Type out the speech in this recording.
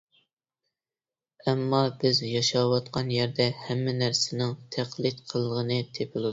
ئەمما بىز ياشاۋاتقان يەردە ھەممە نەرسىنىڭ تەقلىد قىلغىنى تېپىلىدۇ.